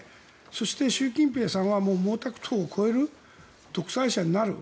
そして習近平さんは毛沢東を超える独裁者になる。